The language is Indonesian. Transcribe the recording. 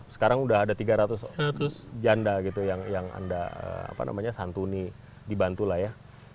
sekarang udah ada tiga ratus janda gitu yang anda santuni dibantu lah ya